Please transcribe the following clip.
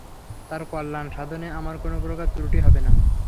তার কল্যাণ সাধনে আমার কোন প্রকার ত্রুটি হবে না।